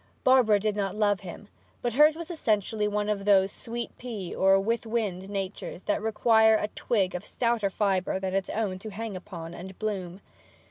Barbara did not love him, but hers was essentially one of those sweet pea or with wind natures which require a twig of stouter fibre than its own to hang upon and bloom.